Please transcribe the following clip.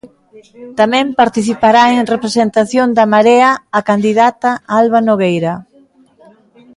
Tamén participará en representación da Marea a candidata Alba Nogueira.